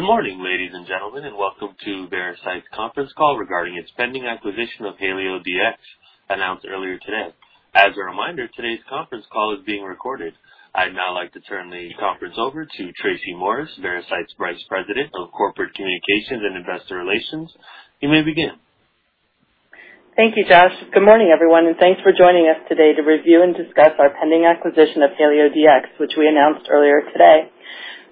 Good morning, ladies and gentlemen, welcome to Veracyte's conference call regarding its pending acquisition of HalioDx, announced earlier today. As a reminder, today's conference call is being recorded. I'd now like to turn the conference over to Tracy Morris, Veracyte's Vice President of Corporate Communications and Investor Relations. You may begin. Thank you, Josh. Good morning, everyone, and thanks for joining us today to review and discuss our pending acquisition of HalioDx, which we announced earlier today.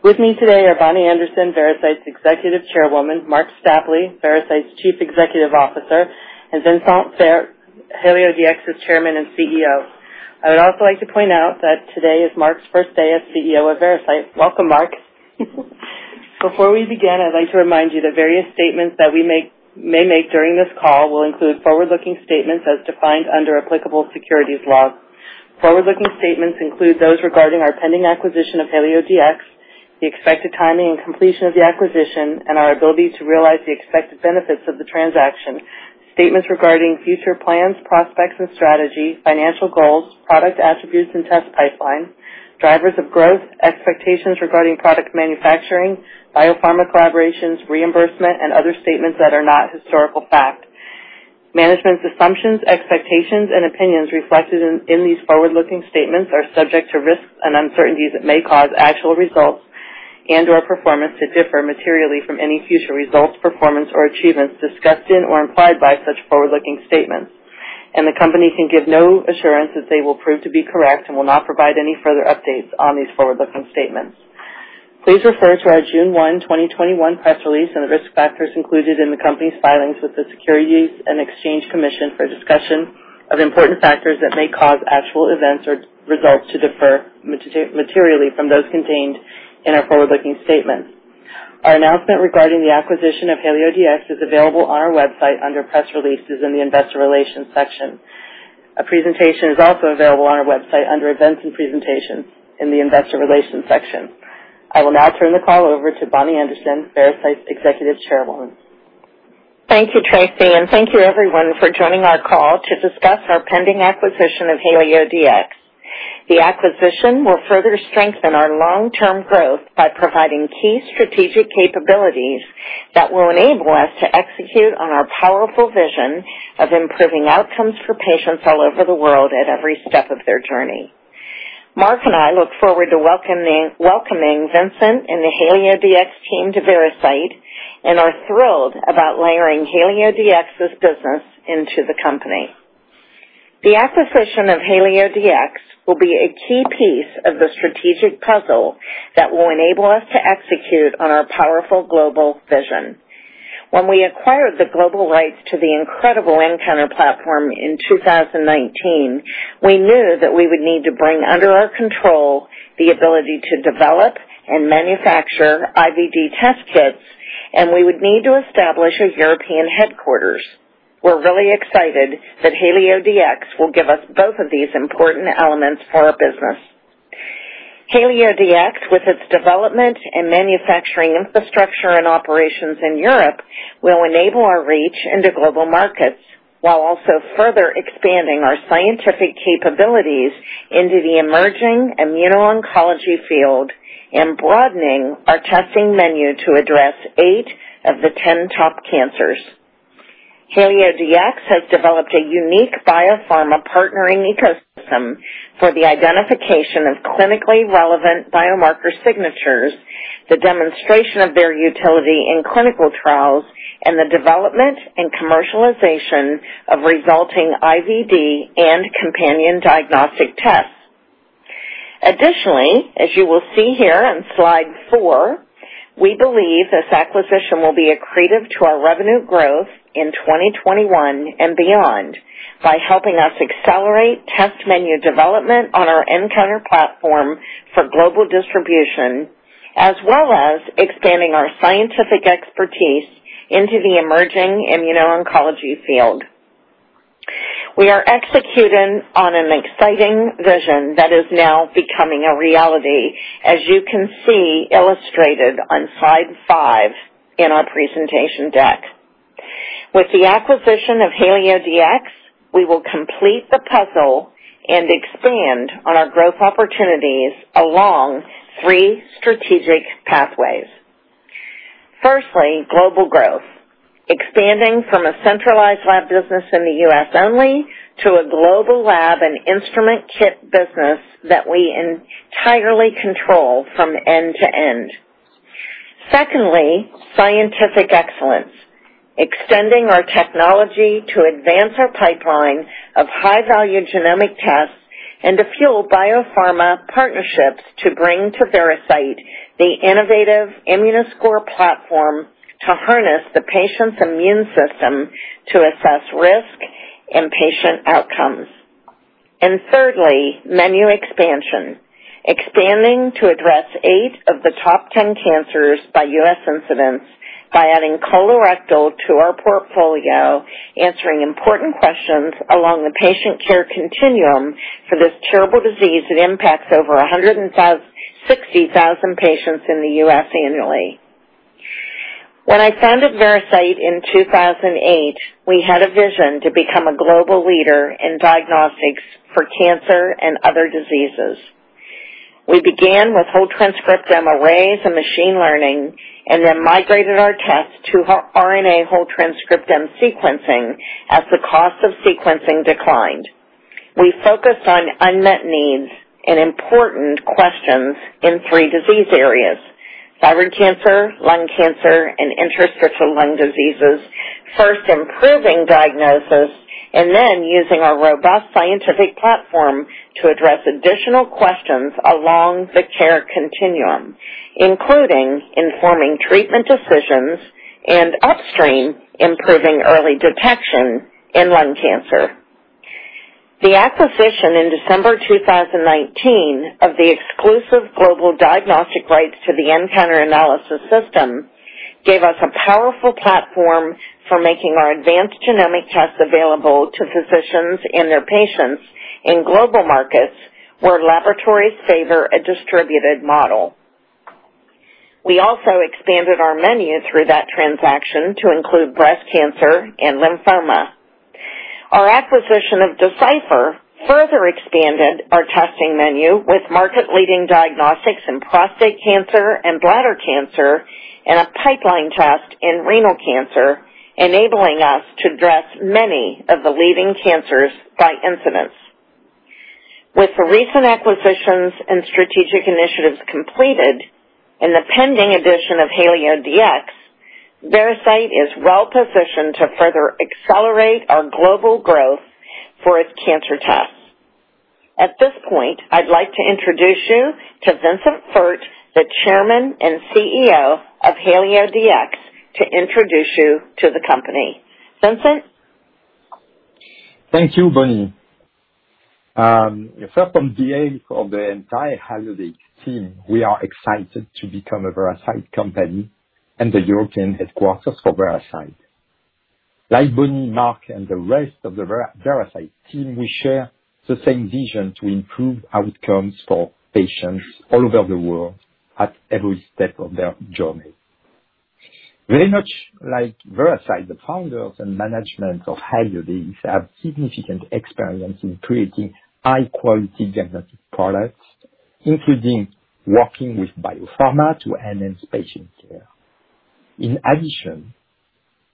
With me today are Bonnie Anderson, Veracyte's Executive Chairwoman, Marc Stapley, Veracyte's Chief Executive Officer, and Vincent Fert, HalioDx's Chairman and CEO. I would also like to point out that today is Marc's first day as CEO of Veracyte. Welcome, Marc. Before we begin, I'd like to remind you that various statements that we may make during this call will include forward-looking statements as defined under applicable securities laws. Forward-looking statements include those regarding our pending acquisition of HalioDx, the expected timing and completion of the acquisition, and our ability to realize the expected benefits of the transaction. Statements regarding future plans, prospects and strategies, financial goals, product attributes and test pipeline, drivers of growth, expectations regarding product manufacturing, biopharma collaborations, reimbursement, and other statements that are not historical fact. Management's assumptions, expectations, and opinions reflected in these forward-looking statements are subject to risks and uncertainties that may cause actual results and/or performance to differ materially from any future results, performance or achievements discussed in or implied by such forward-looking statements. The company can give no assurance that they will prove to be correct and will not provide any further updates on these forward-looking statements. Please refer to our June 1, 2021, press release and the risk factors included in the company's filings with the Securities and Exchange Commission for a discussion of important factors that may cause actual events or results to differ materially from those contained in our forward-looking statements. Our announcement regarding the acquisition of HalioDx is available on our website under Press Releases in the Investor Relations section. A presentation is also available on our website under Events and Presentations in the Investor Relations section. I will now turn the call over to Bonnie Anderson, Veracyte's Executive Chairwoman. Thank you, Tracy, and thank you, everyone, for joining our call to discuss our pending acquisition of HalioDx. The acquisition will further strengthen our long-term growth by providing key strategic capabilities that will enable us to execute on our powerful vision of improving outcomes for patients all over the world at every step of their journey. Marc and I look forward to welcoming Vincent and the HalioDx team to Veracyte and are thrilled about layering HalioDx's business into the company. The acquisition of HalioDx will be a key piece of the strategic puzzle that will enable us to execute on our powerful global vision. When we acquired the global rights to the incredible nCounter platform in 2019, we knew that we would need to bring under our control the ability to develop and manufacture IVD test kits, and we would need to establish a European headquarters. We're really excited that HalioDx will give us both of these important elements for our business. HalioDx, with its development and manufacturing infrastructure and operations in Europe, will enable our reach into global markets, while also further expanding our scientific capabilities into the emerging immuno-oncology field and broadening our testing menu to address eight of the 10 top cancers. HalioDx has developed a unique biopharma partnering ecosystem for the identification of clinically relevant biomarker signatures, the demonstration of their utility in clinical trials, and the development and commercialization of resulting IVD and companion diagnostic tests. Additionally, as you will see here on slide four, we believe this acquisition will be accretive to our revenue growth in 2021 and beyond by helping us accelerate test menu development on our nCounter platform for global distribution, as well as expanding our scientific expertise into the emerging immuno-oncology field. We are executing on an exciting vision that is now becoming a reality, as you can see illustrated on slide five in our presentation deck. With the acquisition of HalioDx, we will complete the puzzle and expand on our growth opportunities along three strategic pathways. Firstly, global growth, expanding from a centralized lab business in the U.S. only to a global lab and instrument kit business that we entirely control from end to end. Secondly, scientific excellence, extending our technology to advance our pipeline of high-value genomic tests and to fuel biopharma partnerships to bring to Veracyte the innovative Immunoscore platform to harness the patient's immune system to assess risk and patient outcomes. Thirdly, menu expansion, expanding to address eight of the top 10 cancers by U.S. incidence by adding colorectal to our portfolio, answering important questions along the patient care continuum for this terrible disease that impacts over 160,000 patients in the U.S. annually. When I founded Veracyte in 2008, we had a vision to become a global leader in diagnostics for cancer and other diseases. We began with whole transcriptome arrays and machine learning and then migrated our tests to RNA whole transcriptome sequencing as the cost of sequencing declined. We focused on unmet needs and important questions in three disease areas: thyroid cancer, lung cancer, and interstitial lung diseases. First improving diagnosis and then using our robust scientific platform to address additional questions along the care continuum, including informing treatment decisions and upstream, improving early detection in lung cancer. The acquisition in December 2019 of the exclusive global diagnostic rights to the nCounter Analysis System gave us a powerful platform for making our advanced genomic tests available to physicians and their patients in global markets where laboratories favor a distributed model. We also expanded our menu through that transaction to include breast cancer and lymphoma. Our acquisition of Decipher further expanded our testing menu with market-leading diagnostics in prostate cancer and bladder cancer and a pipeline test in renal cancer, enabling us to address many of the leading cancers by incidence. With the recent acquisitions and strategic initiatives completed and the pending addition of HalioDx, Veracyte is well positioned to further accelerate our global growth for its cancer tests. At this point, I'd like to introduce you to Vincent Fert, the Chairman and CEO of HalioDx, to introduce you to the company. Vincent? Thank you, Bonnie. First, on behalf of the entire HalioDx team, we are excited to become a Veracyte company and the European headquarters for Veracyte. Like Bonnie, Marc, and the rest of the Veracyte team, we share the same vision to improve outcomes for patients all over the world at every step of their journey. Very much like Veracyte, the founders and management of HalioDx have significant experience in creating high-quality diagnostic products, including working with biopharma to enhance patient care. In addition,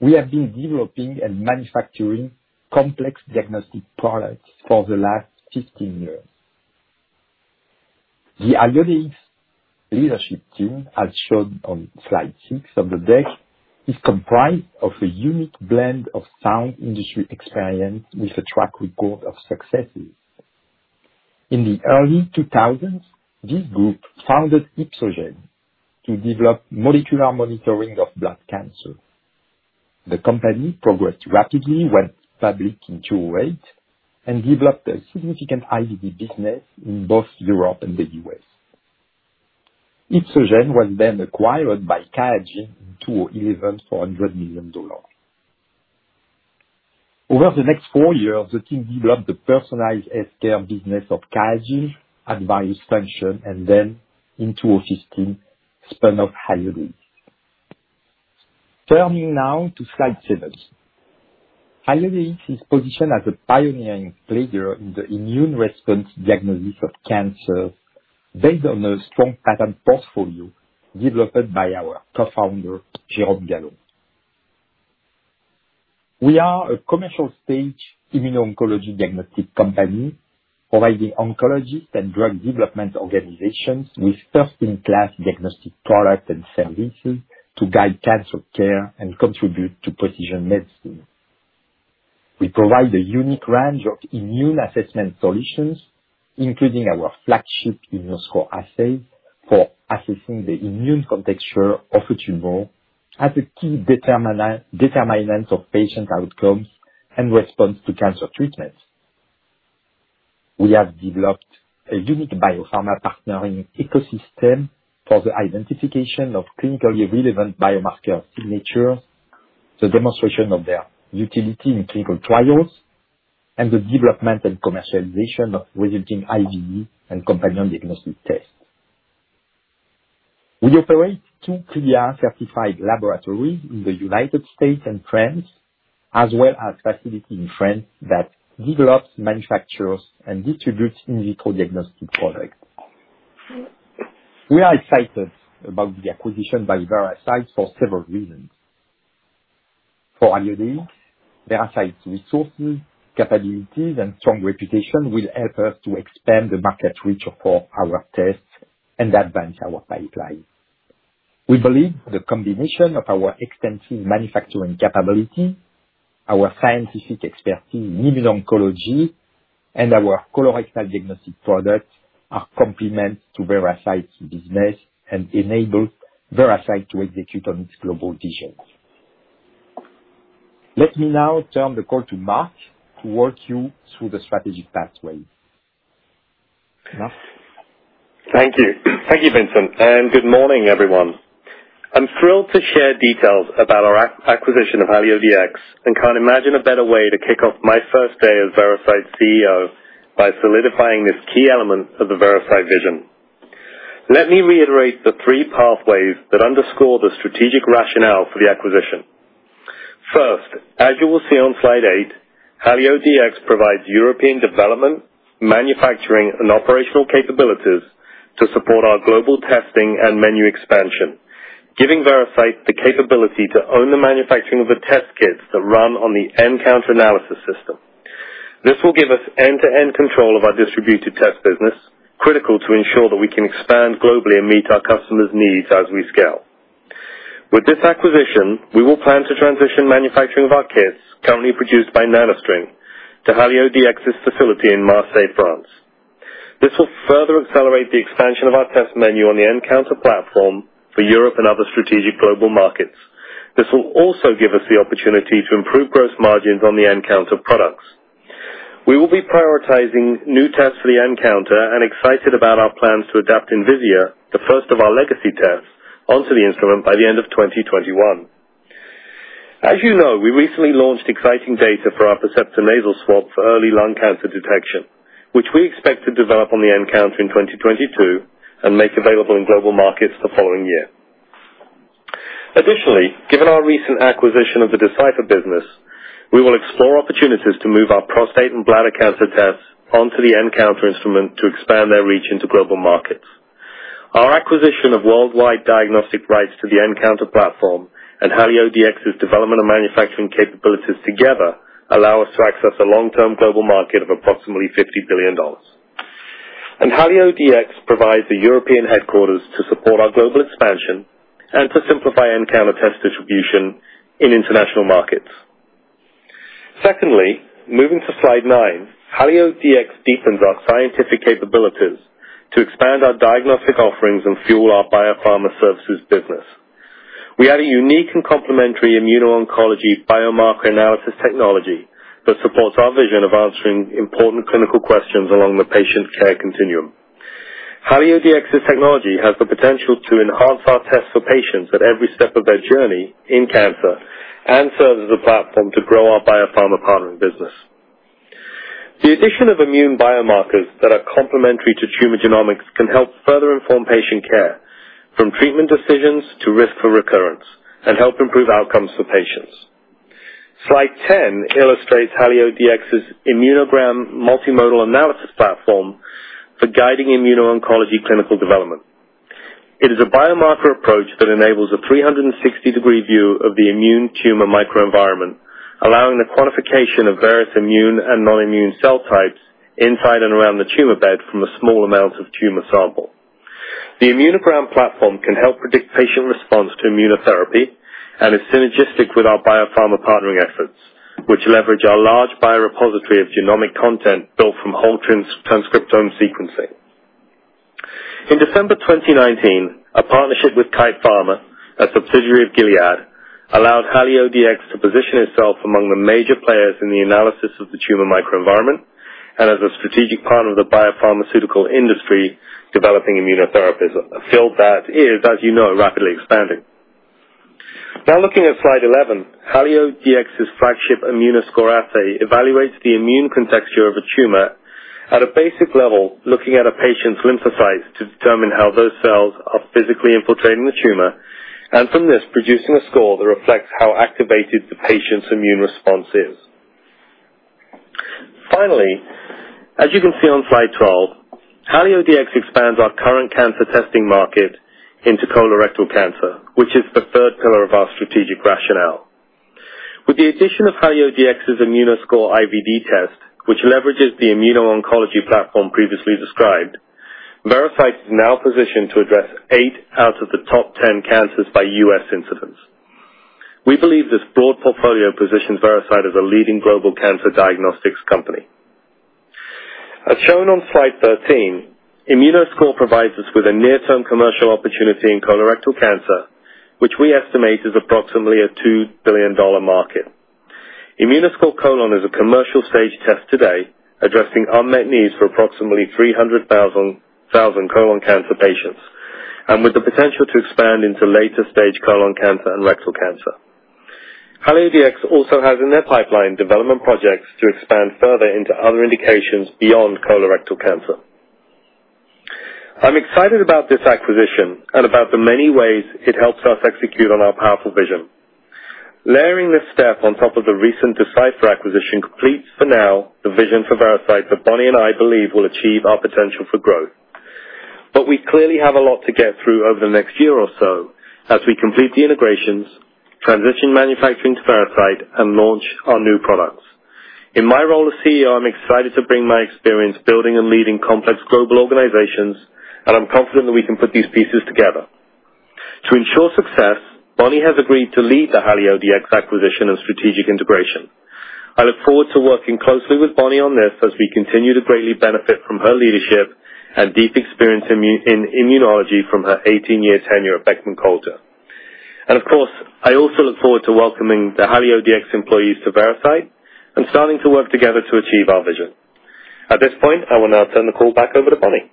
we have been developing and manufacturing complex diagnostic products for the last 15 years. The HalioDx leadership team, as shown on slide six of the deck, is comprised of a unique blend of sound industry experience with a track record of successes. In the early 2000s, this group founded Ipsogen to develop molecular monitoring of blood cancer. The company progressed rapidly, went public in 2008, and developed a significant IVD business in both Europe and the U.S. Ipsogen was then acquired by QIAGEN in 2011 for $100 million. Over the next four years, the team developed the personalized healthcare business of QIAGEN and [BioExtension] and then in 2015, spun off HalioDx. Turning now to slide seven. HalioDx is positioned as a pioneering leader in the immune response diagnosis of cancer based on a strong patent portfolio developed by our Co-Founder, Jérôme Galon. We are a commercial-stage immuno-oncology diagnostic company providing oncologists and drug development organizations with first-in-class diagnostic products and services to guide cancer care and contribute to precision medicine. We provide a unique range of immune assessment solutions, including our flagship Immunoscore assay for assessing the immune contexture of a tumor as a key determinant of patient outcomes and response to cancer treatments. We have developed a unique biopharma partnering ecosystem for the identification of clinically relevant biomarker signatures, the demonstration of their utility in clinical trials, and the development and commercialization of resulting IVD and companion diagnostic tests. We operate two CLIA-certified laboratories in the United States and France, as well as a facility in France that develops, manufactures, and distributes in vitro diagnostic products. We are excited about the acquisition by Veracyte for several reasons. For HalioDx, Veracyte's resources, capabilities, and strong reputation will help us to expand the market reach for our tests and advance our pipeline. We believe the combination of our extensive manufacturing capability, our scientific expertise in immuno-oncology, and our colorectal diagnostic products are complements to Veracyte's business and enable Veracyte to execute on its global vision. Let me now turn the call to Marc to walk you through the strategic pathway. Marc? Thank you. Thank you, Vincent, and good morning, everyone. I'm thrilled to share details about our acquisition of HalioDx and can't imagine a better way to kick off my first day as Veracyte's CEO by solidifying this key element of the Veracyte vision. Let me reiterate the three pathways that underscore the strategic rationale for the acquisition. First, as you will see on slide eight, HalioDx provides European development, manufacturing, and operational capabilities to support our global testing and menu expansion, giving Veracyte the capability to own the manufacturing of the test kits that run on the nCounter Analysis System. This will give us end-to-end control of our distributed test business, critical to ensure that we can expand globally and meet our customers' needs as we scale. With this acquisition, we will plan to transition manufacturing of our kits, currently produced by NanoString, to HalioDx's facility in Marseille, France. This will further accelerate the expansion of our test menu on the nCounter platform for Europe and other strategic global markets. This will also give us the opportunity to improve gross margins on the nCounter products. We will be prioritizing new tests for the nCounter and excited about our plans to adapt Envisia, the first of our legacy tests, onto the instrument by the end of 2021. As you know, we recently launched exciting data for our Percepta Nasal Swab for early lung cancer detection, which we expect to develop on the nCounter in 2022 and make available in global markets the following year. Additionally, given our recent acquisition of the Decipher business, we will explore opportunities to move our prostate and bladder cancer tests onto the nCounter instrument to expand their reach into global markets. Our acquisition of worldwide diagnostic rights to the nCounter platform and HalioDx's development and manufacturing capabilities together allow us to access a long-term global market of approximately $50 billion. HalioDx provides the European headquarters to support our global expansion and to simplify nCounter test distribution in international markets. Secondly, moving to slide nine, HalioDx deepens our scientific capabilities to expand our diagnostic offerings and fuel our biopharma services business. We are a unique and complementary immuno-oncology biomarker analysis technology that supports our vision of answering important clinical questions along the patient care continuum. HalioDx's technology has the potential to enhance our tests for patients at every step of their journey in cancer and serves as a platform to grow our biopharma partner business. The addition of immune biomarkers that are complementary to tumor genomics can help further inform patient care, from treatment decisions to risk for recurrence, and help improve outcomes for patients. Slide 10 illustrates HalioDx's Immunogram multimodal analysis platform for guiding immuno-oncology clinical development. It is a biomarker approach that enables a 360-degree view of the immune tumor microenvironment, allowing the quantification of various immune and non-immune cell types inside and around the tumor bed from a small amount of tumor sample. The Immunogram platform can help predict patient response to immunotherapy and is synergistic with our biopharma partnering efforts, which leverage our large biorepository of genomic content built from whole transcriptome sequencing. In December 2019, a partnership with Kite Pharma, a subsidiary of Gilead, allowed HalioDx to position itself among the major players in the analysis of the tumor microenvironment and as a strategic partner of the biopharmaceutical industry developing immunotherapy, a field that is, as you know, rapidly expanding. Now, looking at slide 11, HalioDx's flagship Immunoscore assay evaluates the immune contexture of a tumor at a basic level, looking at a patient's lymphocytes to determine how those cells are physically infiltrating the tumor, and from this, producing a score that reflects how activated the patient's immune response is. Finally, as you can see on slide 12, HalioDx expands our current cancer testing market into colorectal cancer, which is the third pillar of our strategic rationale. With the addition of HalioDx's Immunoscore IVD test, which leverages the immuno-oncology platform previously described, Veracyte is now positioned to address eight out of the top 10 cancers by U.S. incidence. We believe this broad portfolio positions Veracyte as a leading global cancer diagnostics company. As shown on slide 13, Immunoscore provides us with a near-term commercial opportunity in colorectal cancer, which we estimate is approximately a $2 billion market. Immunoscore Colon is a commercial stage test today, addressing unmet needs for approximately 300,000 colon cancer patients, and with the potential to expand into later stage colon cancer and rectal cancer. HalioDx also has in their pipeline development projects to expand further into other indications beyond colorectal cancer. I'm excited about this acquisition and about the many ways it helps us execute on our powerful vision. Layering this step on top of the recent Decipher acquisition completes, for now, the vision for Veracyte that Bonnie and I believe will achieve our potential for growth. We clearly have a lot to get through over the next year or so as we complete the integrations, transition manufacturing to Veracyte, and launch our new products. In my role as CEO, I'm excited to bring my experience building and leading complex global organizations, and I'm confident we can put these pieces together. To ensure success, Bonnie has agreed to lead the HalioDx acquisition and strategic integration. I look forward to working closely with Bonnie on this as we continue to greatly benefit from her leadership and deep experience in immunology from her 18-year tenure at Beckman Coulter. Of course, I also look forward to welcoming the HalioDx employees to Veracyte and starting to work together to achieve our vision. At this point, I will now turn the call back over to Bonnie.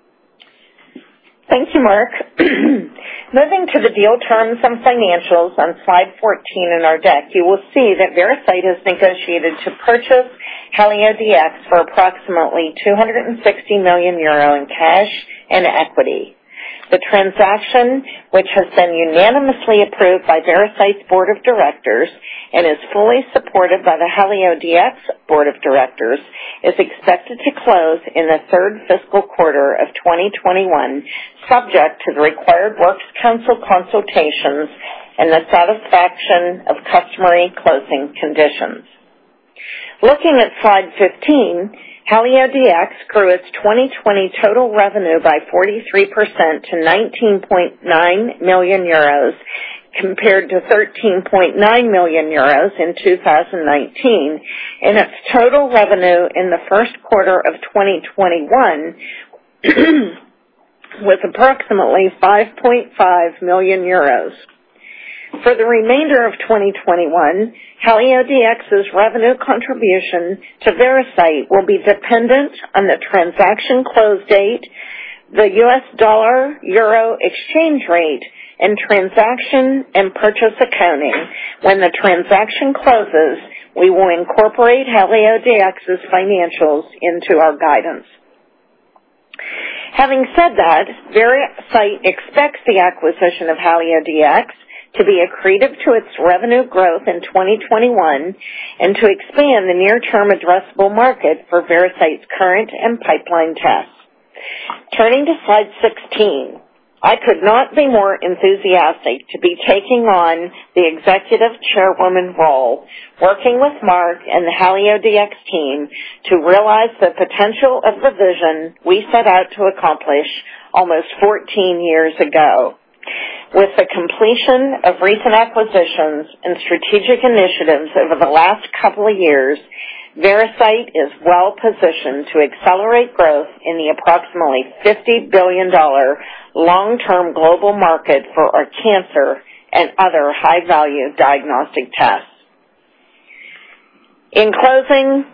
Thank you, Marc. Moving to the deal terms and financials on slide 14 in our deck, you will see that Veracyte has negotiated to purchase HalioDx for approximately 260 million euro in cash and equity. The transaction, which has been unanimously approved by Veracyte's Board of Directors and is fully supported by the HalioDx Board of Directors, is expected to close in the third fiscal quarter of 2021, subject to the required works council consultations and the satisfaction of customary closing conditions. Looking at slide 15, HalioDx grew its 2020 total revenue by 43% to 19.9 million euros, compared to 13.9 million euros in 2019, and its total revenue in the first quarter of 2021 was approximately 5.5 million euros. For the remainder of 2021, HalioDx's revenue contribution to Veracyte will be dependent on the transaction close date, the U.S. dollar-euro exchange rate, and transaction and purchase accounting. When the transaction closes, we will incorporate HalioDx's financials into our guidance. Having said that, Veracyte expects the acquisition of HalioDx to be accretive to its revenue growth in 2021 and to expand the near-term addressable market for Veracyte's current and pipeline tests. Turning to slide 16, I could not be more enthusiastic to be taking on the Executive Chairwoman role, working with Marc and the HalioDx team to realize the potential of the vision we set out to accomplish almost 14 years ago. With the completion of recent acquisitions and strategic initiatives over the last couple of years, Veracyte is well-positioned to accelerate growth in the approximately $50 billion long-term global market for our cancer and other high-value diagnostic tests. In closing,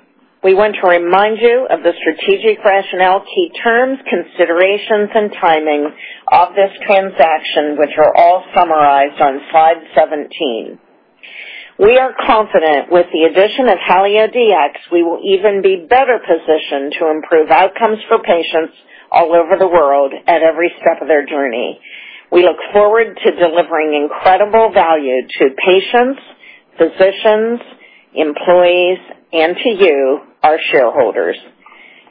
we want to remind you of the strategic rationale, key terms, considerations, and timing of this transaction, which are all summarized on slide 17. We are confident, with the addition of HalioDx, we will even be better positioned to improve outcomes for patients all over the world at every step of their journey. We look forward to delivering incredible value to patients, physicians, employees, and to you, our shareholders.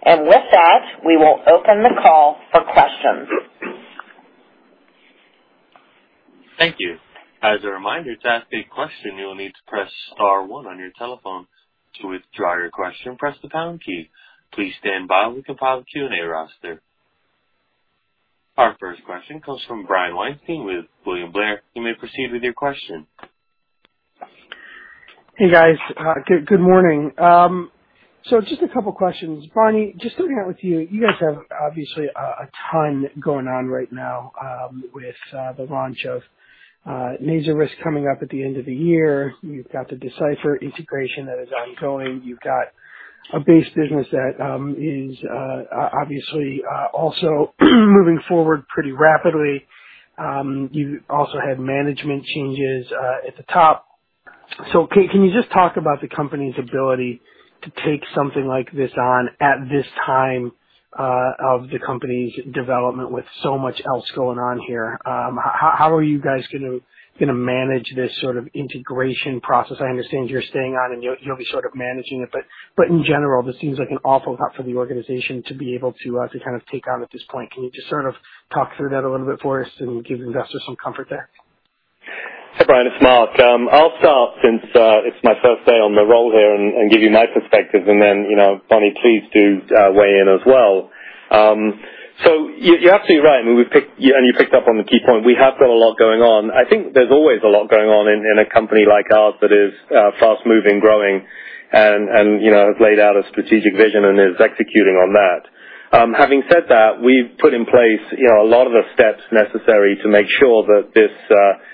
With that, we will open the call for questions. Thank you. As a reminder, to ask a question, you will need to press star one on your telephone. To withdraw your question, press the pound key. Please stand by while we compile the Q&A roster. Our first question comes from Brian Weinstein with William Blair. You may proceed with your question. Hey, guys. Good morning. Just a couple of questions. Bonnie, just starting out with you guys have obviously a ton going on right now with the launch of nasal swab coming up at the end of the year. You've got the Decipher integration that is ongoing. You've got a base business that is obviously also moving forward pretty rapidly. You also had management changes at the top. Can you just talk about the company's ability to take something like this on at this time of the company's development with so much else going on here? How are you guys going to manage this sort of integration process? I understand you're staying on and you'll be sort of managing it, but in general, this seems like an awful lot for the organization to be able to take on at this point. Can you just sort of talk through that a little bit for us and give investors some comfort there? Hey, Brian, it's Marc. I'll start since it's my first day on the role here and give you my perspective, and then, Bonnie, please do weigh in as well. You're absolutely right, and you picked up on the key point. We have got a lot going on. I think there's always a lot going on in a company like ours that is fast-moving, growing, and has laid out a strategic vision and is executing on that. Having said that, we've put in place a lot of the steps necessary to make sure that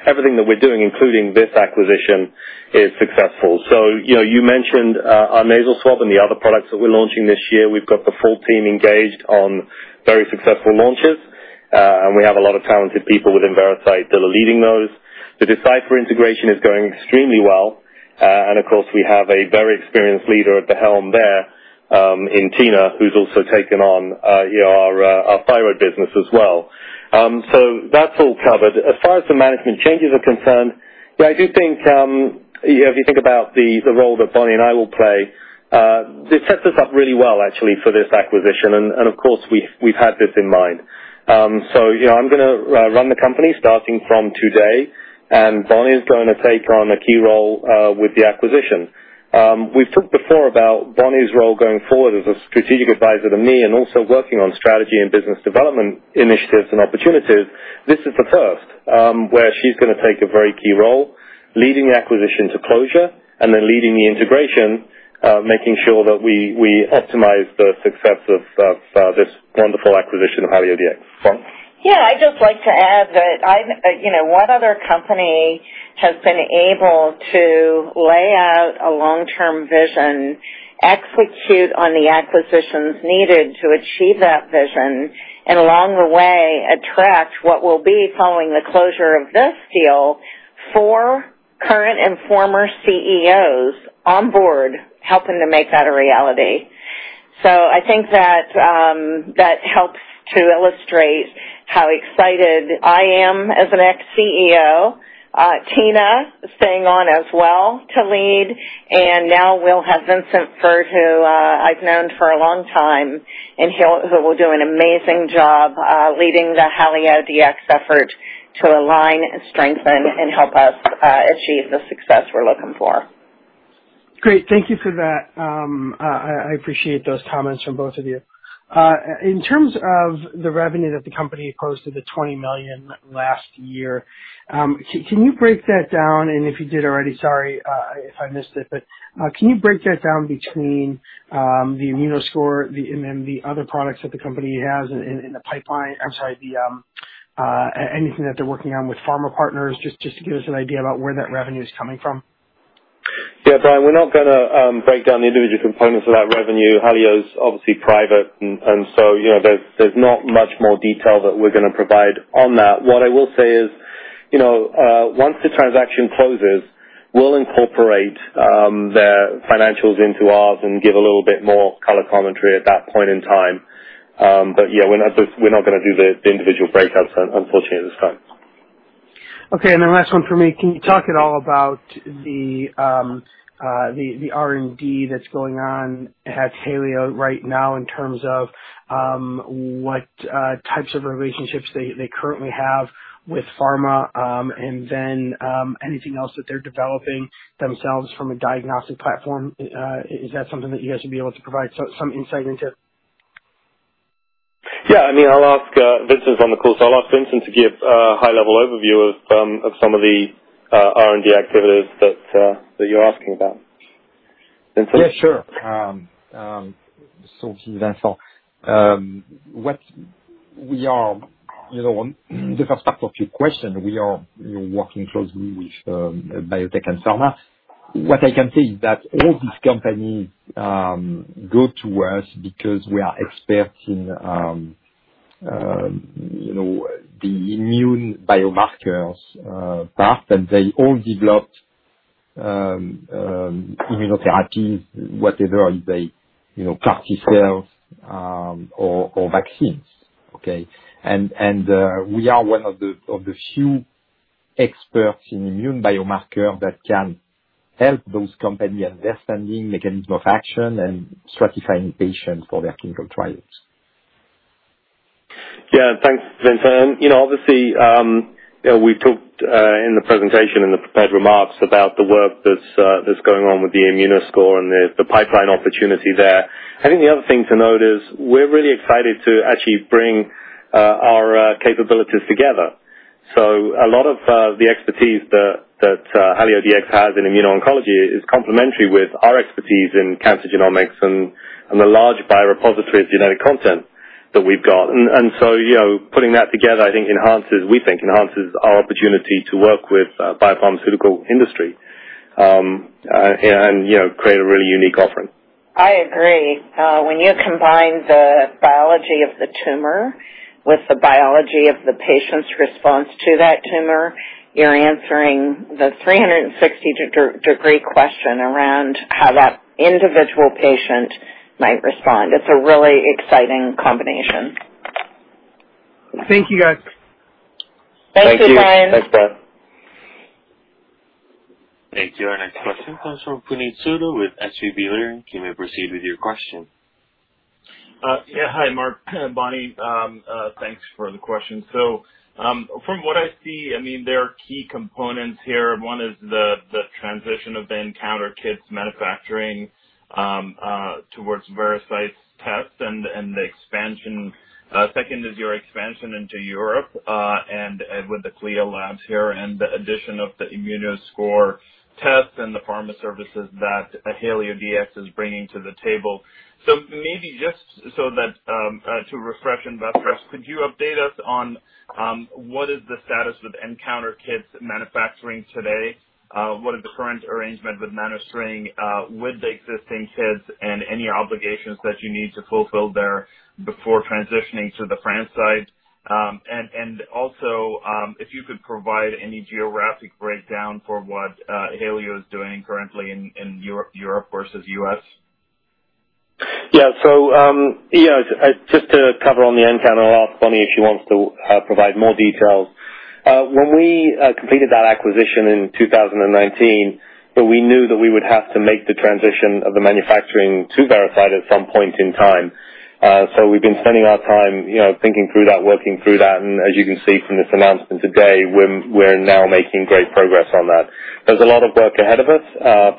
everything that we're doing, including this acquisition, is successful. You mentioned our nasal swab and the other products that we're launching this year. We've got the full team engaged on very successful launches, and we have a lot of talented people within Veracyte that are leading those. The Decipher integration is going extremely well. Of course, we have a very experienced leader at the helm there in Tina, who's also taken on our thyroid business as well. That's all covered. As far as the management changes are concerned, if you think about the role that Bonnie and I will play, this sets us up really well, actually, for this acquisition. Of course, we've had this in mind. I'm going to run the company starting from today. Bonnie is going to take on a key role with the acquisition. We've talked before about Bonnie's role going forward as a strategic advisor to me and also working on strategy and business development initiatives and opportunities. This is the first where she's going to take a very key role, leading the acquisition to closure and then leading the integration, making sure that we optimize the success of this wonderful acquisition of HalioDx. Bonnie? I'd just like to add that what other company has been able to lay out a long-term vision, execute on the acquisitions needed to achieve that vision, and along the way, attract what will be following the closure of this deal, four current and former CEOs on board helping to make that a reality. I think that helps to illustrate how excited I am as an ex-CEO. Tina staying on as well to lead, and now we'll have Vincent Fert, who I've known for a long time, and he'll do an amazing job leading the HalioDx effort to align and strengthen and help us achieve the success we're looking for. Great. Thank you for that. I appreciate those comments from both of you. In terms of the revenue that the company posted, the $20 million last year, can you break that down? If you did already, sorry if I missed it. Can you break that down between the Immunoscore and then the other products that the company has in the pipeline? I'm sorry, anything that they're working on with pharma partners, just to give us an idea about where that revenue is coming from. Yeah. We're not going to break down the individual components of that revenue. Halio is obviously private, and so there's not much more detail that we're going to provide on that. What I will say is, once the transaction closes, we'll incorporate their financials into ours and give a little bit more color commentary at that point in time. Yeah, we're not going to do the individual breakouts unfortunately, at this time. Okay, the last one from me. Can you talk at all about the R&D that's going on at Halio right now in terms of what types of relationships they currently have with pharma and then anything else that they're developing themselves from a diagnostic platform? Is that something that you guys would be able to provide some insight into? Yeah, I mean, I'll ask Vincent on the call. I'll ask Vincent to give a high-level overview of some of the R&D activities that you're asking about. Vincent? Yeah, sure. The first part of your question, we are working closely with biotech and pharma. What I can say is that all these companies go to us because we are experts in the immune biomarkers part, and they all developed immunotherapies, whatever, like CAR T-cell or vaccines. Okay? We are one of the few experts in immune biomarker that can help those companies understanding mechanism of action and stratifying patients for their clinical trials. Thanks, Vincent. Obviously, we talked in the presentation, in the prepared remarks about the work that's going on with the Immunoscore and the pipeline opportunity there. I think the other thing to note is we're really excited to actually bring our capabilities together. A lot of the expertise that HalioDx has in immuno-oncology is complementary with our expertise in cancer genomics and the large biorepository genetic content that we've got. Putting that together, we think enhances our opportunity to work with biopharmaceutical industry and create a really unique offering. I agree. When you combine the biology of the tumor with the biology of the patient's response to that tumor, you're answering the 360-degree question around how that individual patient might respond. It's a really exciting combination. Thank you, guys. Thank you, Brian. Thanks, Brian. Thank you. Our next question comes from Puneet Souda with SVB Leerink. You may proceed with your question. Hi, Marc. Bonnie. Thanks for the question. From what I see, there are key components here. One is the transition of the nCounter kits manufacturing towards Veracyte's test and the expansion. Second is your expansion into Europe and with the CLIA labs here and the addition of the Immunoscore test and the pharma services that HalioDx is bringing to the table. Maybe just to refresh investors, could you update us on what is the status of nCounter kits manufacturing today? What is the current arrangement with manufacturing with the existing kits and any obligations that you need to fulfill there before transitioning to the France side? Also, if you could provide any geographic breakdown for what Halio is doing currently in Europe versus U.S.? Yeah. Just to cover on the nCounter, I'll ask Bonnie if she wants to provide more details. When we completed that acquisition in 2019, we knew that we would have to make the transition of the manufacturing to Veracyte at some point in time. We've been spending our time thinking through that, working through that, and as you can see from this announcement today, we're now making great progress on that. There's a lot of work ahead of us.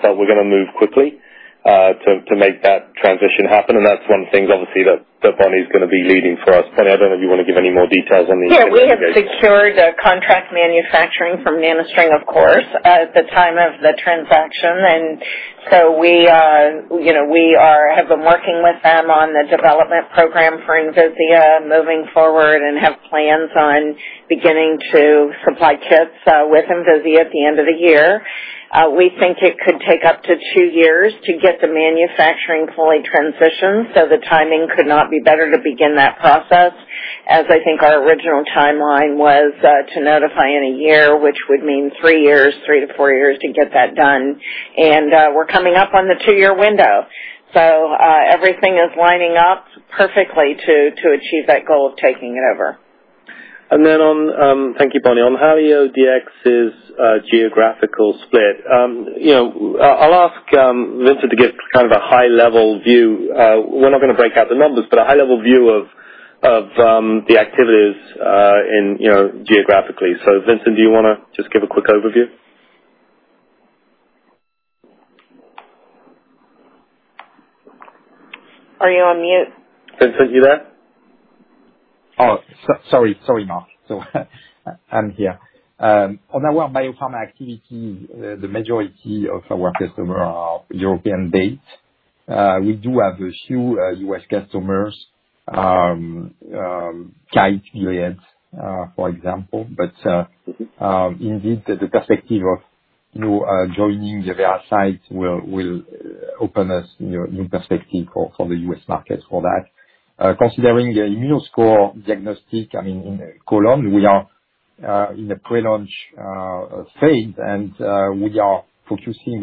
We're going to move quickly to make that transition happen, and that's one of the things obviously that Bonnie's going to be leading for us. Bonnie, I don't know if you want to give any more details on the. We have secured a contract manufacturing from manufacturing, of course, at the time of the transaction, and so we have been working with them on the development program for Envisia moving forward and have plans on beginning to supply kits with Envisia at the end of the year. We think it could take up to two years to get the manufacturing fully transitioned, so the timing could not be better to begin that process. As I think our original timeline was to notify in a year, which would mean three to four years to get that done. We're coming up on the two-year window. Everything is lining up perfectly to achieve that goal of taking it over. Thank you, Bonnie. On HalioDx's geographical split, I'll ask Vincent to give kind of a high-level view. We're not going to break out the numbers, but a high-level view of the activities geographically. Vincent, do you want to just give a quick overview? Are you on mute? Vincent, you there? Oh, sorry, Marc. I'm here. On our biopharma activity, the majority of our customers are European-based. We do have a few U.S. customers, Kite, for example. Indeed, the perspective of joining Veracyte will open us new perspective for the U.S. market for that. Considering the Immunoscore diagnostic in colon, we are in the pre-launch phase, and we were focusing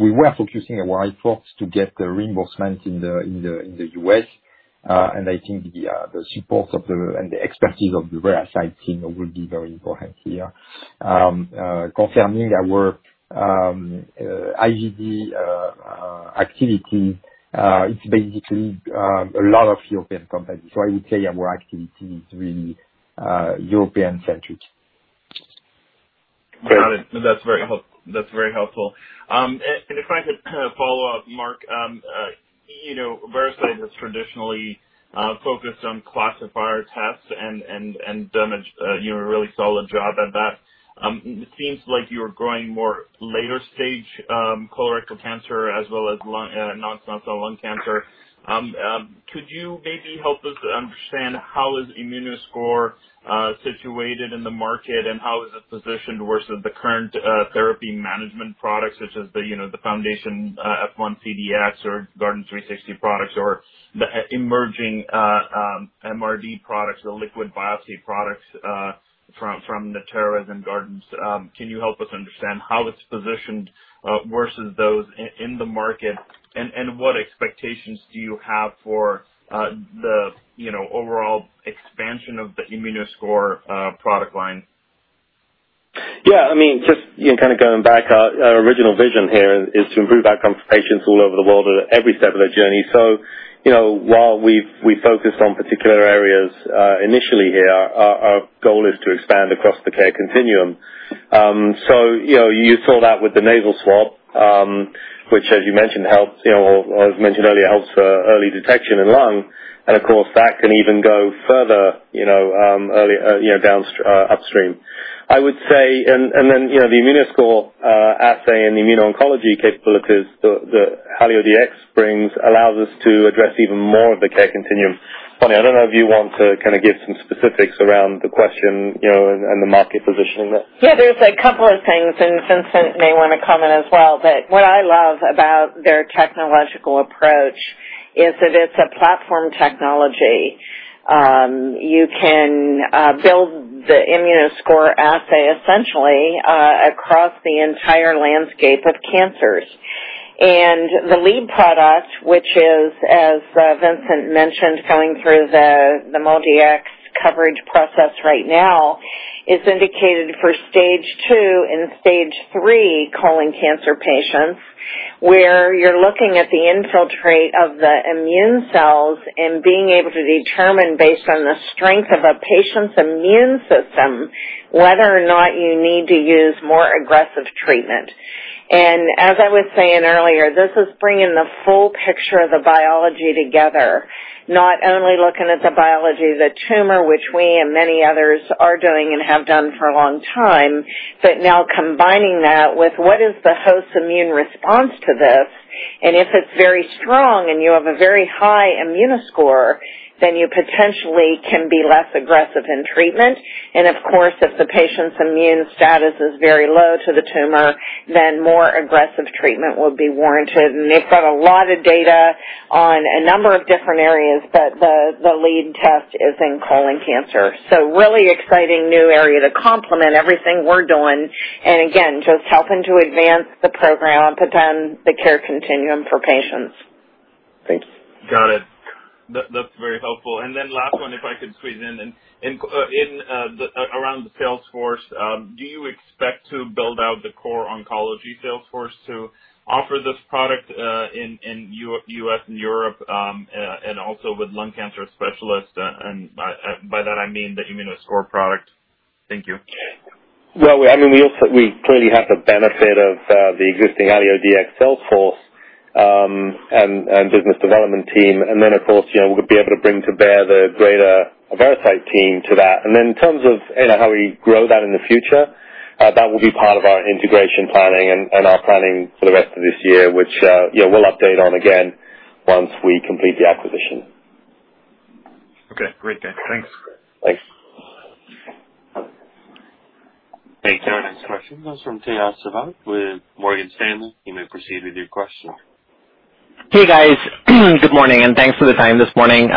a wide focus to get the reimbursements in the U.S., and I think the support and the expertise of the Veracyte team will be very important here. Concerning our IVD activity, it's basically a lot of European companies. I would say our activity is really European-centric. Got it. That's very helpful. If I could follow up, Marc, Veracyte has traditionally focused on classifier tests and done a really solid job at that. It seems like you're growing more later stage colorectal cancer as well as non-small cell lung cancer. Could you maybe help us understand how is Immunoscore situated in the market, and how is it positioned versus the current therapy management products such as the FoundationOne CDx or Guardant360 products or the emerging MRD products, the liquid biopsy products from Natera and Guardant? Can you help us understand how it's positioned versus those in the market, and what expectations do you have for the overall expansion of the Immunoscore product line? Yeah, just kind of going back, our original vision here is to improve outcomes for patients all over the world at every step of their journey. While we focused on particular areas initially here, our goal is to expand across the care continuum. You saw that with the nasal swab, which as you mentioned helps, or as mentioned earlier, helps early detection in lung, and of course, that can even go further upstream. I would say, then the Immunoscore assay and the immuno-oncology capabilities that HalioDx brings allows us to address even more of the care continuum. Bonnie, I don't know if you want to give some specifics around the question and the market positioning there. Yeah, there's a couple of things, and Vincent may want to comment as well, but what I love about their technological approach is that it's a platform technology. You can build the Immunoscore assay essentially across the entire landscape of cancers. The lead product, which is, as Vincent mentioned, going through the MolDX coverage process right now, is indicated for Stage II and Stage III colon cancer patients, where you're looking at the infiltrate of the immune cells and being able to determine based on the strength of a patient's immune system, whether or not you need to use more aggressive treatment. As I was saying earlier, this is bringing the full picture of the biology together. Not only looking at the biology of the tumor, which we and many others are doing and have done for a long time, but now combining that with what is the host's immune response to this, and if it's very strong and you have a very high Immunoscore, then you potentially can be less aggressive in treatment. Of course, if the patient's immune status is very low to the tumor, then more aggressive treatment would be warranted. They've got a lot of data on a number of different areas, but the lead test is in colon cancer. Really exciting new area to complement everything we're doing, and again, just helping to advance the program and put them in the care continuum for patients. Thanks. Got it. That's very helpful. Last one, if I could squeeze in. Around the sales force, do you expect to build out the core oncology sales force to offer this product in U.S. and Europe, and also with lung cancer specialists? By that, I mean the Immunoscore product. Thank you. Well, we clearly have the benefit of the existing HalioDx sales force and business development team, and then of course, we'll be able to bring to bear the greater Veracyte team to that. In terms of how we grow that in the future, that will be part of our integration planning and our planning for the rest of this year, which we'll update on again once we complete the acquisition. Okay. Great. Thanks. Thanks. Thank you. Our next question comes from Tejas Savant with Morgan Stanley. You may proceed with your question. Hey, guys. Good morning, and thanks for the time this morning.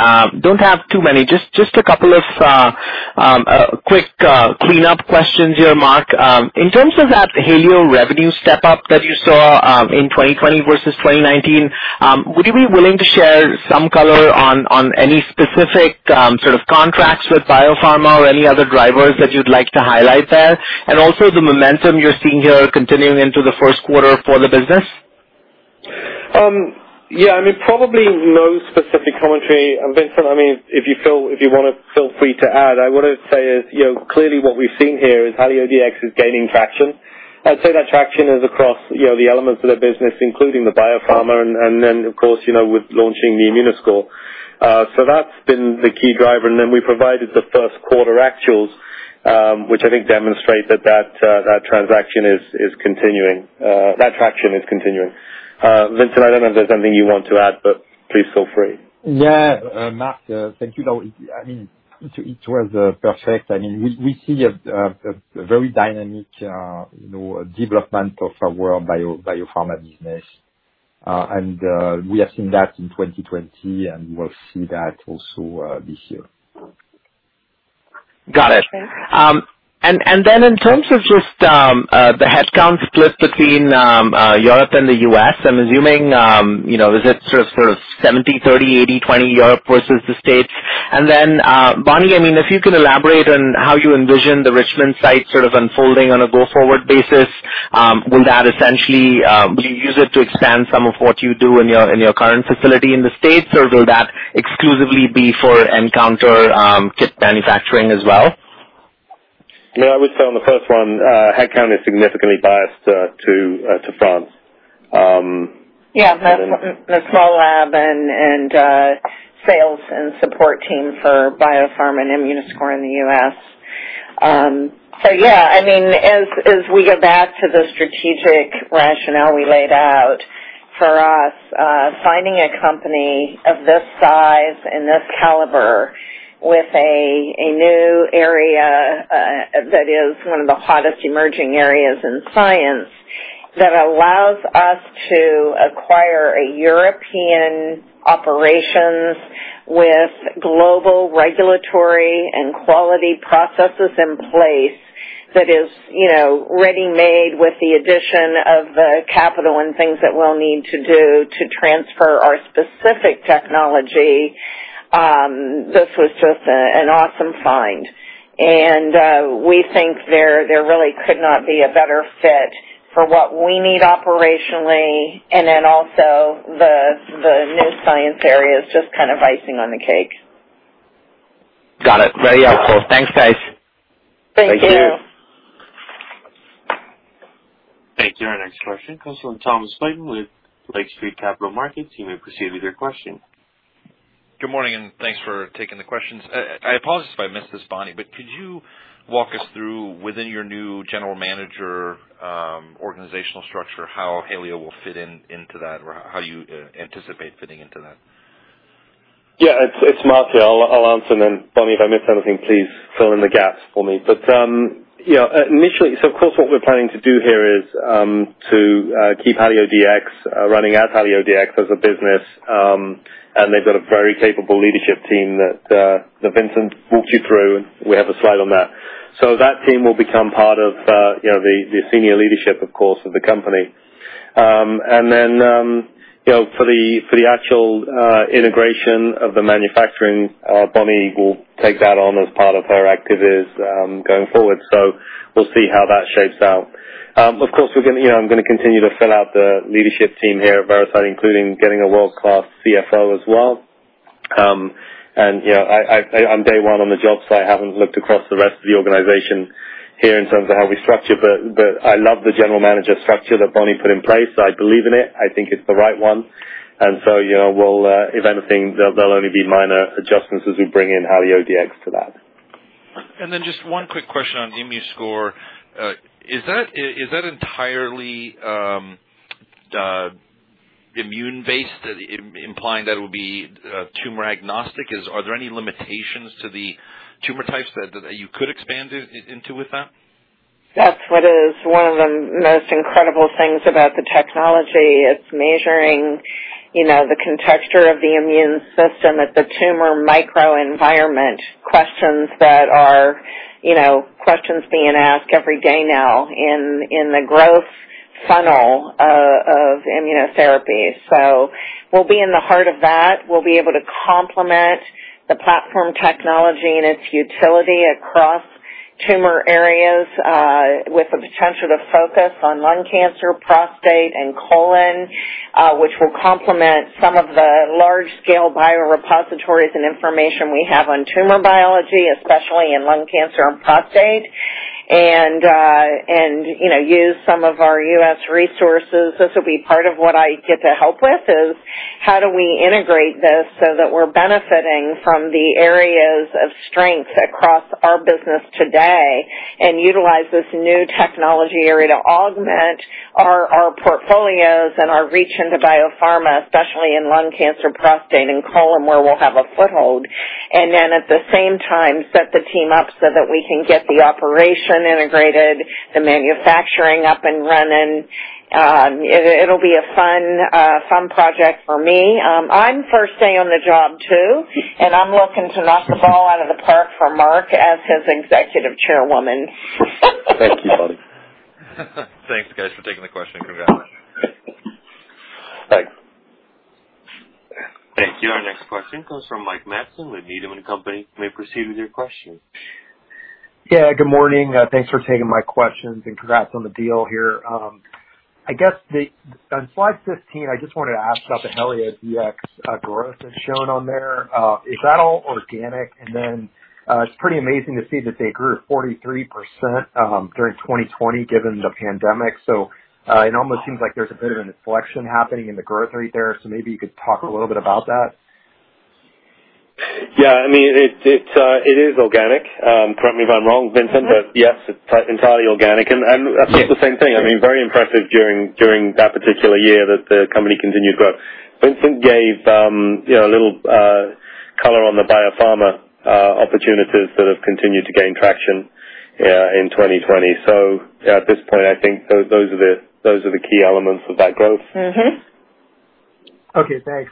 Don't have too many, just a couple of quick cleanup questions here, Marc. In terms of that Halio revenue step-up that you saw in 2020 versus 2019, would you be willing to share some color on any specific sort of contracts with biopharma or any other drivers that you'd like to highlight there, and also the momentum you're seeing here continuing into the first quarter for the business? Yeah. I mean, probably no specific commentary. Vincent, if you want, feel free to add. I would say, clearly what we've seen here is HalioDx is gaining traction. I'd say that traction is across the elements of the business, including the biopharma and then, of course, with launching the Immunoscore. That's been the key driver, and then we provided the first quarter actuals, which I think demonstrate that traction is continuing. Vincent, I don't know if there's something you want to add, but please feel free. Yeah. Marc, thank you. I mean, it was perfect. I mean, we see a very dynamic development of our biopharma business. We have seen that in 2020, and we will see that also this year. Got it. In terms of just the headcount split between Europe and the U.S., I'm assuming, is it sort of 70/30, 80/20 Europe versus the States? Bonnie, I mean, if you could elaborate on how you envision the Richmond site sort of unfolding on a go-forward basis. Will you use it to expand some of what you do in your current facility in the States, or will that exclusively be for nCounter chip manufacturing as well? Yeah, I would start on the first one. Headcount is significantly biased to France. Yeah. That's my lab and sales and support team for biopharma and Immunoscore in the U.S. I mean, as we go back to the strategic rationale we laid out, for us, finding a company of this size and this caliber with a new area that is one of the hottest emerging areas in science that allows us to acquire European operations with global regulatory and quality processes in place that is ready-made with the addition of the capital and things that we'll need to do to transfer our specific technology, this was just an awesome find. We think there really could not be a better fit for what we need operationally, and then also the new science area is just kind of icing on the cake. Got it. Very helpful. Thanks, guys. Thank you. Thank you. Thank you. Our next question comes from Thomas Flaten with Lake Street Capital Markets. You may proceed with your question. Good morning, thanks for taking the questions. I apologize if I missed this, Bonnie, but could you walk us through within your new general manager organizational structure, how Halio will fit into that or how you anticipate fitting into that? It's Marc here. I'll answer, Bonnie, if I miss anything, please fill in the gaps for me. Initially, what we're planning to do here is to keep HalioDx running as HalioDx as a business, they've got a very capable leadership team that Vincent walked you through. We have a slide on that. That team will become part of the senior leadership, of course, of the company. For the actual integration of the manufacturing, Bonnie will take that on as part of her activities going forward. We'll see how that shapes out. Of course, I'm going to continue to fill out the leadership team here at Veracyte, including getting a world-class CFO as well. I'm day one on the job, so I haven't looked across the rest of the organization here in terms of how we structure, but I love the general manager structure that Bonnie put in place. I believe in it. I think it's the right one. If anything, there'll only be minor adjustments as we bring in HalioDx to that. Just one quick question on Immunoscore. Is that entirely immune-based, implying that it would be tumor agnostic? Are there any limitations to the tumor types that you could expand into with that? That's what is one of the most incredible things about the technology. It's measuring the contexture of the immune system at the tumor microenvironment, questions being asked every day now in the growth funnel of immunotherapy. We'll be in the heart of that. We'll be able to complement the platform technology and its utility across tumor areas with the potential to focus on lung cancer, prostate, and colon, which will complement some of the large-scale biorepositories and information we have on tumor biology, especially in lung cancer and prostate, and use some of our U.S. resources. This will be part of what I get to help with is, how do we integrate this so that we're benefiting from the areas of strength across our business today, utilize this new technology area to augment our portfolios and our reach into biopharma, especially in lung cancer, prostate, and colon, where we'll have a foothold. At the same time, set the team up so that we can get the operation integrated, the manufacturing up and running. It'll be a fun project for me. I'm first day on the job too, and I'm looking to knock the ball out of the park for Marc as his Executive Chairwoman. Thank you, Bonnie. Thanks, guys, for taking the question. Congrats. Thanks. Thank you. Our next question comes from Mike Matson with Needham & Company. You may proceed with your question. Yeah, good morning. Thanks for taking my questions, and congrats on the deal here. I guess, on slide 15, I just wanted to ask about the HalioDx growth that's shown on there. Is that all organic? It's pretty amazing to see that they grew 43% during 2020 given the pandemic. It almost seems like there's a bit of an inflection happening in the growth rate there. Maybe you could talk a little bit about that. Yeah. It is organic. Correct me if I'm wrong, Vincent, but yes, it's entirely organic, and that's the same thing. Very impressive during that particular year that the company continued growth. Vincent gave a little color on the biopharma opportunities that have continued to gain traction in 2020. At this point, I think those are the key elements of that growth. Okay, thanks.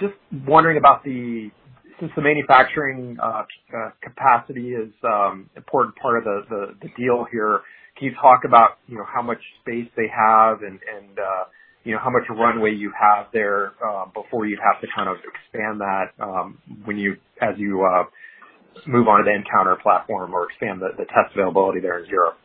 Just wondering about the, since the manufacturing capacity is important part of the deal here, can you talk about how much space they have and how much runway you have there before you'd have to expand that as you move on to the nCounter platform or expand the test availability there in Europe?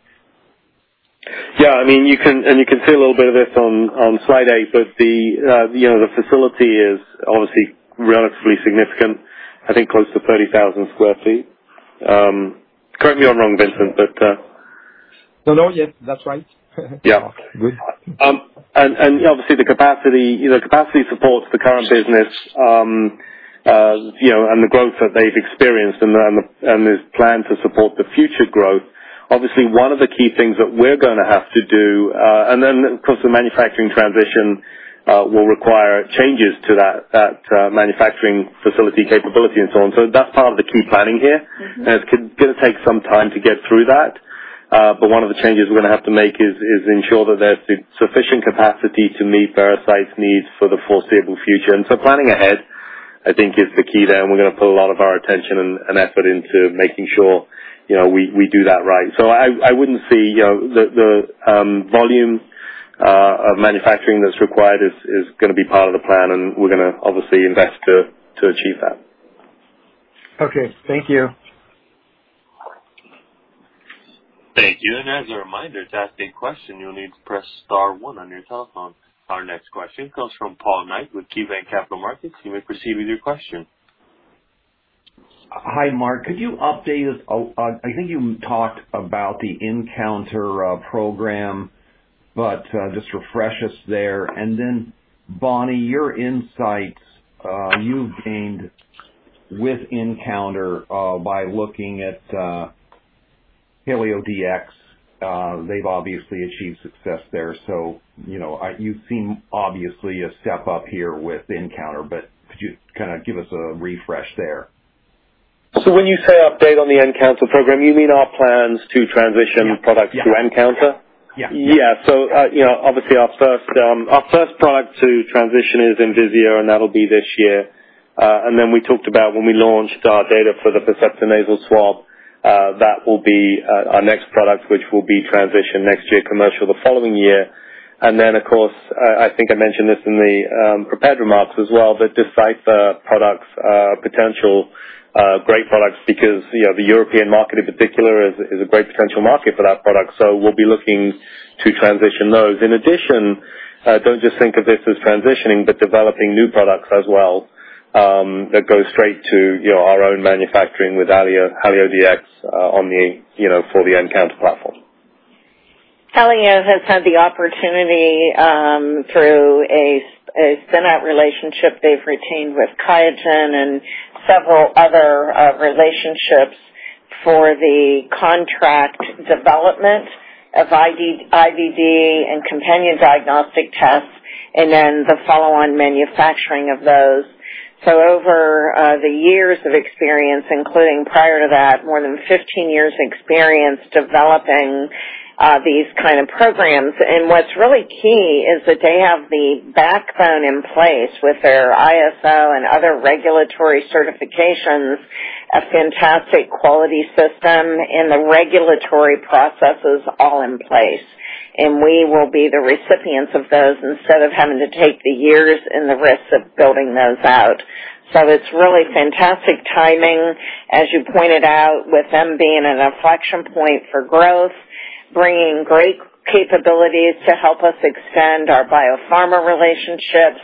Yeah. You can see a little bit of this on slide eight, but the facility is obviously relatively significant. I think close to 30,000 sq ft. Correct me if I'm wrong, Vincent. No. Yes, that's right. Yeah. Good. Obviously the capacity supports the current business, and the growth that they've experienced and there's plan to support the future growth. Obviously, one of the key things that we're going to have to do, and then of course, the manufacturing transition will require changes to that manufacturing facility capability and so on. That's part of the key planning here. It's going to take some time to get through that. One of the changes we're going to have to make is ensure that there's sufficient capacity to meet Veracyte's needs for the foreseeable future. Planning ahead, I think is the key there, and we're going to put a lot of our attention and effort into making sure we do that right. I wouldn't say the volume of manufacturing that's required is going to be part of the plan, and we're going to obviously invest to achieve that. Okay. Thank you. Thank you. As a reminder, to ask a question, you'll need to press star one on your telephone. Our next question comes from Paul Knight with KeyBanc Capital Markets. You may proceed with your question. Hi, Marc. Could you update us, I think you talked about the nCounter program, but just refresh us there. Bonnie, your insights you've gained with nCounter by looking at HalioDx. They've obviously achieved success there. You seem obviously a step up here with nCounter, but could you give us a refresh there? When you say update on the nCounter program, you mean our plans to transition- Yeah. -products to nCounter? Yeah. Yeah. Obviously our first product to transition is Envisia, and that'll be this year. Then we talked about when we launched our data for the Percepta Nasal Swab, that will be our next product, which will be transitioned next year, commercial the following year. Then, of course, I think I mentioned this in the prepared remarks as well, but Decipher products are potential great products because the European market in particular is a great potential market for that product. We'll be looking to transition those. In addition, don't just think of this as transitioning, but developing new products as well, that go straight to our own manufacturing with HalioDx for the nCounter platform. Halio has had the opportunity through a spin-out relationship they've retained with QIAGEN and several other relationships for the contract development of IVD and companion diagnostic tests, and then the follow-on manufacturing of those. Over the years of experience, including prior to that, more than 15 years experience developing these kind of programs, and what's really key is that they have the backbone in place with their ISO and other regulatory certifications, a fantastic quality system, and the regulatory processes all in place. We will be the recipients of those instead of having to take the years and the risks of building those out. It's really fantastic timing. As you pointed out, with them being at an inflection point for growth, bringing great capabilities to help us extend our biopharma relationships.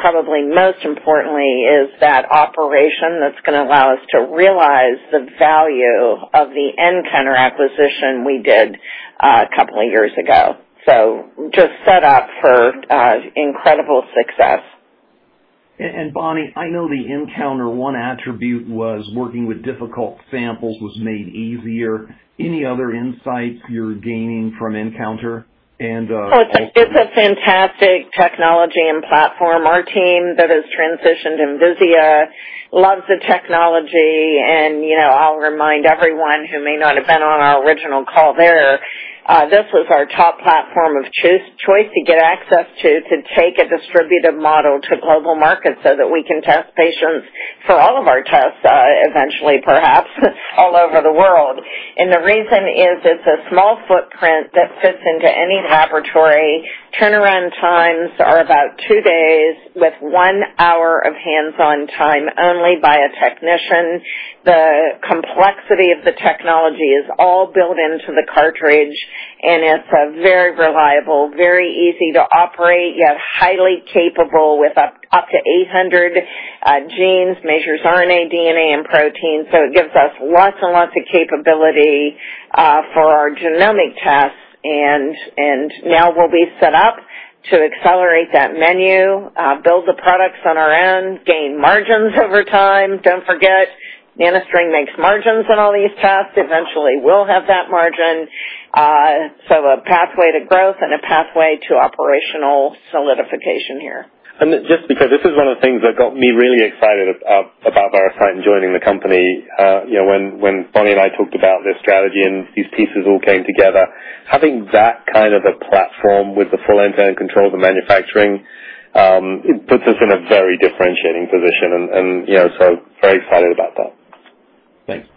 Probably most importantly is that operation that's going to allow us to realize the value of the nCounter acquisition we did a couple of years ago. Just set up for incredible success. Bonnie, I know the nCounter one attribute was working with difficult samples was made easier. Any other insights you're gaining from nCounter? It's a fantastic technology and platform. Our team that has transitioned to Envisia loves the technology. I'll remind everyone who may not have been on our original call there, this was our top platform of choice to get access to take a distributive model to global markets so that we can test patients for all of our tests, eventually, perhaps, all over the world. The reason is it's a small footprint that fits into any laboratory. Turnaround times are about two days with one hour of hands-on time only by a technician. The complexity of the technology is all built into the cartridge, and it's very reliable, very easy to operate, yet highly capable with up to 800 genes, measures RNA, DNA, and protein. It gives us lots and lots of capability for our genomic tests. Now we'll be set up to accelerate that menu, build the products on our own, gain margins over time. Don't forget, NanoString makes margins on all these tests. Eventually, we'll have that margin. A pathway to growth and a pathway to operational solidification here. Just because this is one of the things that got me really excited about Veracyte and joining the company, when Bonnie and I talked about the strategy and these pieces all came together, having that kind of a platform with the full end-to-end control of the manufacturing, it puts us in a very differentiating position. Very excited about that. Thank you.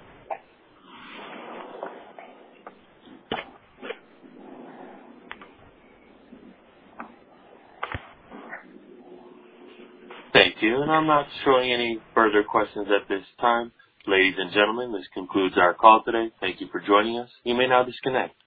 I'm not showing any further questions at this time. Ladies and gentlemen, this concludes our call today. Thank you for joining us. You may now disconnect.